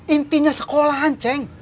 intinya sekolahan ceng